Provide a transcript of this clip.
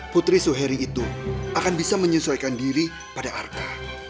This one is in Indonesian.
putri suheri itu akan bisa menyesuaikan diri pada arta